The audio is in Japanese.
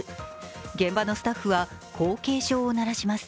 現場のスタッフはこう警鐘を鳴らします。